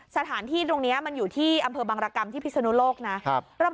สถานที่ตรงนี้มันอยู่ที่อำเภอบังรกรรมที่พิศนุโลกนะ